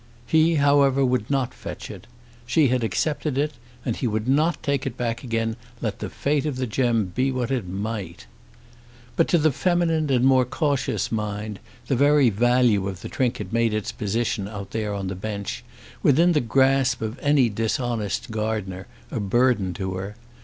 He however would not fetch it. She had accepted it, and he would not take it back again, let the fate of the gem be what it might. But to the feminine and more cautious mind the very value of the trinket made its position out there on the bench, within the grasp of any dishonest gardener, a burden to her.